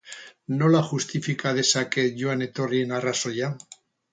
Nola justifika dezaket joan-etorrien arrazoia?